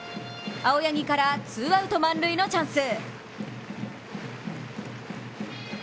青柳からツーアウト満塁のチャンス。